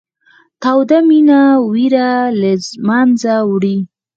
توده مینه وېره له منځه وړي.